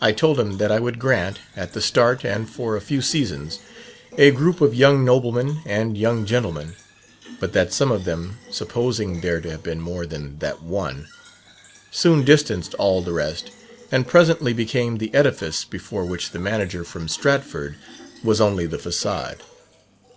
I told him that I would grant, at the start and for a few seasons, a group of young noblemen and young gentlemen; but that some one of them (supposing there to have been more than that one) soon distanced all the rest and presently became the edifice before which the manager from Stratford was only the facade.